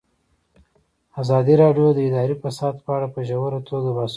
ازادي راډیو د اداري فساد په اړه په ژوره توګه بحثونه کړي.